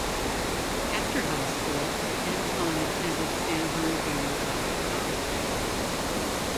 After high school, Anton attended San Bernardino Valley College.